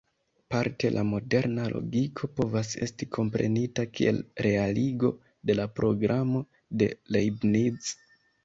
Parte la "moderna logiko" povas esti komprenita kiel realigo de la programo de Leibniz.